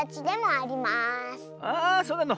ああそうなの。